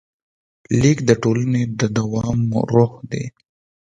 لیک د ټولنې د دوام روح شو.